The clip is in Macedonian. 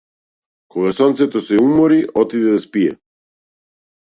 Кога сонцето се умори отиде да спие.